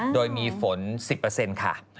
โดยมีฝน๑๐เปอร์เซ็นต์